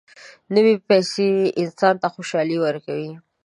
نوې پیسې انسان ته خوشالي ورکوي